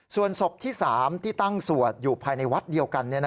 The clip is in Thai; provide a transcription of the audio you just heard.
ส่วนศพที่๓ที่ตั้งสวดอยู่ภายในวัดเดียวกัน